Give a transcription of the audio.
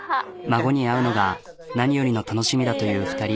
孫に会うのが何よりの楽しみだという２人。